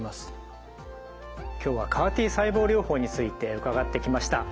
今日はＣＡＲ−Ｔ細胞療法について伺ってきました。